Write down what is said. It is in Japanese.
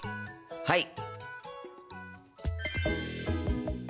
はい！